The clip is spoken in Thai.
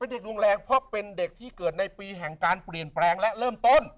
เด็กรุนแรงเพราะเป็นเด็กที่เกิดในปีแห่งการเปลี่ยนแปลงและเริ่มต้น